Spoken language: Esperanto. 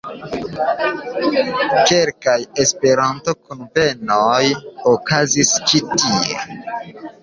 Kelkaj Esperanto-kunvenoj okazis ĉi tie.